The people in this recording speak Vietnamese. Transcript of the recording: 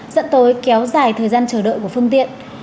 dẫn tới kéo dài thời gian chờ đợi của phương tiện